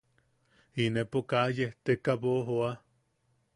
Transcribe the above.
–Inepo kaa yesteka boʼojoa.